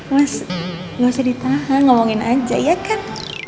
mas gak usah ditahan ngomongin aja ya kan